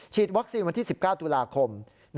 วัคซีนวันที่๑๙ตุลาคม